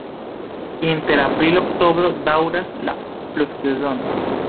Inter aprilo-oktobro daŭras la pluvsezono.